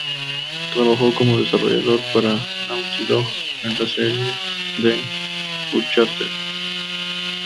Trabajó como desarrollador para Naughty Dog en las series de "Uncharted".